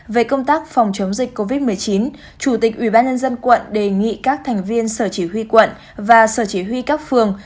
về công tác phòng chống dịch covid một mươi chín chủ tịch ubnd quận đề nghị các thành viên sở chỉ huy quận và sở chỉ huy các phường